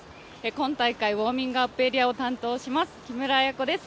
今大会ウォームアップエリアを担当します木村文子です。